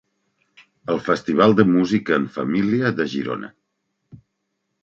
El festival de música en família de Girona.